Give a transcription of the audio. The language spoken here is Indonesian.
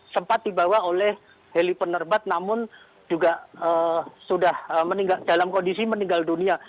sempat dibawa oleh heli penerbat namun juga sudah dalam kondisi meninggal dunia